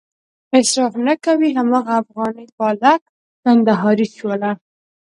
اصراف نه کوي هماغه افغاني پالک، کندهارۍ شوله.